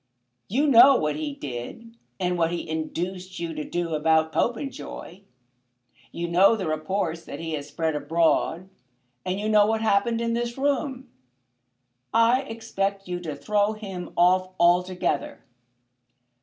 You know what he did, and what he induced you to do about Popenjoy. You know the reports that he has spread abroad. And you know what happened in this room. I expect you to throw him off altogether."